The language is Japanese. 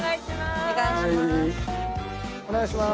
お願いします。